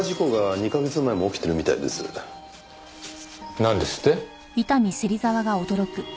なんですって？